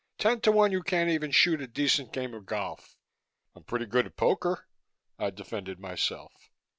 Ten to one, you can't even shoot a decent game of golf." "I'm pretty good at poker," I defended myself.